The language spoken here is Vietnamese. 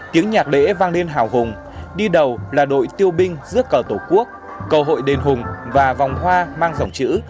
tiếng nhạc lễ vang lên hào hùng đi đầu là đội tiêu binh dước cờ tổ quốc cơ hội đền hùng và vòng hoa mang dòng chữ